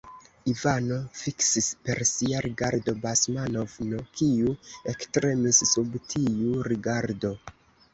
Ivano fiksis per sia rigardo Basmanov'n, kiu ektremis sub tiu rigardo.